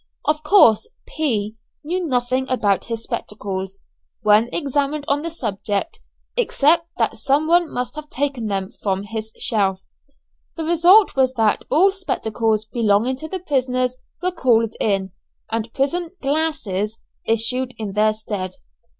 Of course, P knew nothing about his spectacles, when examined on the subject, except that some one must have taken them from his shelf. The result was that all spectacles belonging to the prisoners were called in, and prison "glasses" issued in their stead.